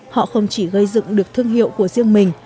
họ không chỉ gây dựng được thương hiệu của riêng mình